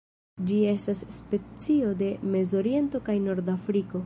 Ĝi estas specio de Mezoriento kaj Nordafriko.